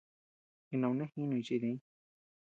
Jinaunejinuñ chi diñ.